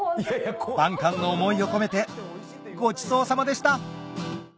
万感の思いを込めてごちそうさまでした！